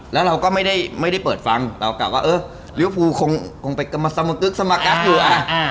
แล้วเราก็ไม่ได้เปิดฟังเรากลับว่าเออลิเวฟูคงไปสมกึ๊กสมกัสอยู่อ่ะ